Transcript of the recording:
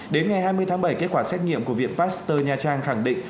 đến ngày hai mươi tháng bảy kết quả xét nghiệm của viện pasteur nha trang khẳng định